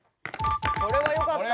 これは良かった。